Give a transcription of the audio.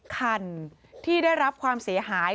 คันที่ได้รับความเสียหาย